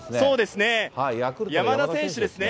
山田選手ですね。